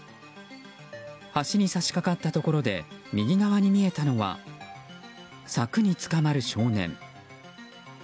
橋に差し掛かったところで右側に見えたのは柵につかまる少年。